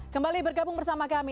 kembali bergabung bersama kami